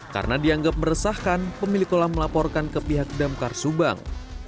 karena dianggap meresahkan pemilik kolam melaporkan ke pihak damkar subang